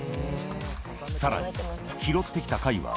さらに、拾ってきた貝は。